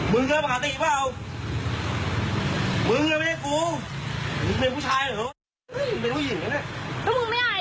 บอกเลย